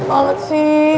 gila banget sih